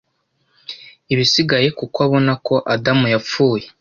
ibisigaye kuko abona ko "Adamu yapfuye